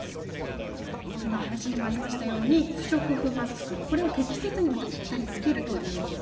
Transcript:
今、話にもありましたように不織布製マスクを適切にぴったり着けるということ。